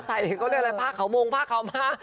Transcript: ใส่เขาอะไรผ้าเขามงผ้าเขามา